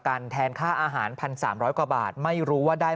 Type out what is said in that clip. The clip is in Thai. คงจะตรวจสอบได้อย่างแน่นอนว่าความจริงแท้คืออะไร